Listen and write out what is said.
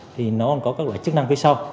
thì nó còn có các loại chức năng phía sau